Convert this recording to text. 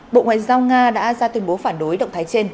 bộ ngoại giao nga đã ra tuyên bố phản đối động thái trên